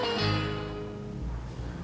bapak nggak bisa berpikir pikir sama ibu